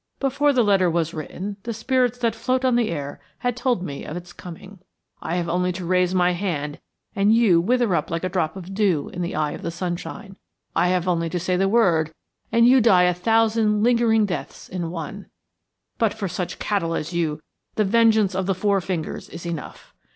Before the letter was written, the spirits that float on the air had told me of its coming. I have only to raise my hand and you wither up like a drop of dew in the eye of the sunshine. I have only to say the word and you die a thousand lingering deaths in one but for such cattle as you the vengeance of the Four Fingers is enough.